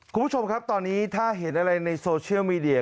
คุณผู้ชมครับตอนนี้ถ้าเห็นอะไรในโซเชียลมีเดีย